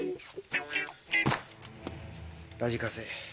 ラジカセ。